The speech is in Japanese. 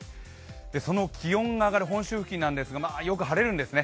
その気温が上がる本州付近なんですがよく晴れるんですね。